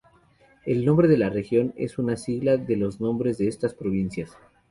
El nombre de la región es un sigla de los nombres de estas provincias.